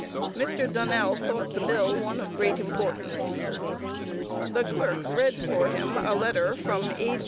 Mr. Dunnell thought the bill one of great importance. The Clerk read for him a letter from A.